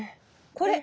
これ！